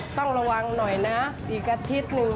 ต้องระวังหน่อยนะอีกอาทิตย์หนึ่ง